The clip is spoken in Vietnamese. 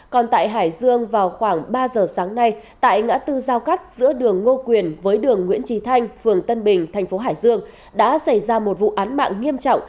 còn tại hải dương vào khoảng ba giờ sáng nay tại ngã tư giao cắt giữa đường ngô quyền với đường nguyễn trí thanh phường tân bình thành phố hải dương đã xảy ra một vụ án mạng nghiêm trọng